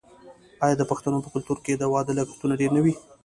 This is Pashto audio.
آیا د پښتنو په کلتور کې د واده لګښتونه ډیر نه وي؟